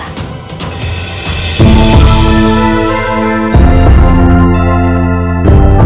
aku bisa mencintaimu